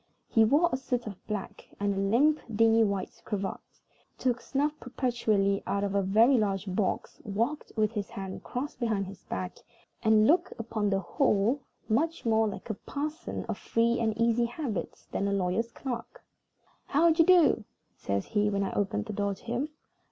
He wore a suit of black, and a limp, dingy white cravat; took snuff perpetually out of a very large box; walked with his hands crossed behind his back; and looked, upon the whole, much more like a parson of free and easy habits than a lawyer's clerk. "How d'ye do?" says he, when I opened the door to him.